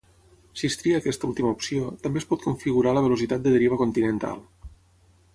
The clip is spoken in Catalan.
Si es tria aquesta última opció, també es pot configurar la velocitat de deriva continental.